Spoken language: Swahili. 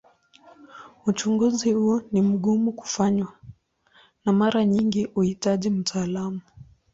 Uchunguzi huu ni mgumu kufanywa na mara nyingi huhitaji mtaalamu.